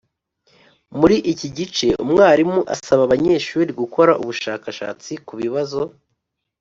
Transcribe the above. Muri iki gice umwarimu asaba abanyeshuri gukora ubushakashatsi ku bibazo